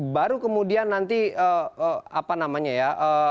baru kemudian nanti apa namanya ya